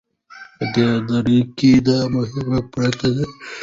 په دې دره کې دا مهم پراته دي